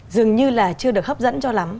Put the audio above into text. dường như là chưa được hấp dẫn cho lắm